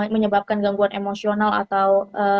menyebabkan gangguan emosional atau